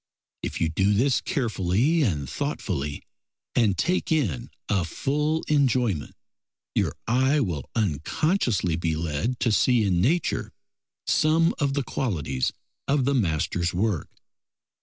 If you do this carefully and thoughtfully, and take in a full enjoyment, your eye will unconsciously be led to see in nature some of the qualities of the master's work.